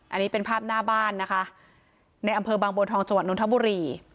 อันนี้เป็นภาพหน้าบ้านนะคะในอำเภอบางบัวทองจังหวัดนทบุรี